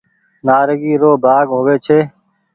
نآريگي رو ڀآگ هووي ڇي۔